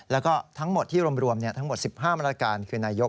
แล้วก็ทั้งหมดที่รวมทั้งหมด๑๕มาตรการคือนายก